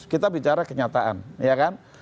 kita bicara kenyataan